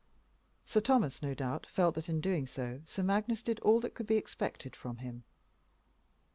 Sir Thomas, no doubt, felt that in doing so Sir Magnus did all that could be expected from him.